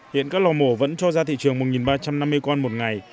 hiện các lò mổ vẫn cho ra thị trường một ba trăm năm mươi con một ngày